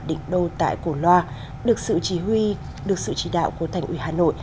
đỉnh đô tại cổ loa được sự chỉ huy được sự chỉ đạo của thành ủy hà nội